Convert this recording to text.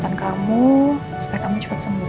yang pola punya kalau lo meditasi dried